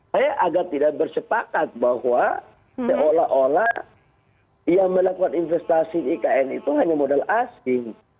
saya agak tidak bersepakat bahwa seolah olah yang melakukan investasi di ikn itu hanya modal asing